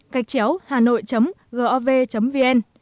cách chéo hà nội gov vn